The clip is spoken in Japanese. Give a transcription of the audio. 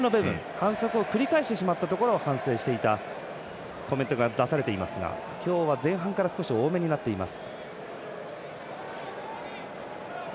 反則を繰り返してしまった部分を反省していたコメントが出されていますが今日は前半から少し多めになっています。